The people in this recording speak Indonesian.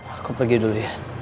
aku pergi dulu ya